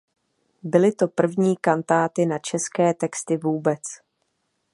Byly to první kantáty na české texty vůbec.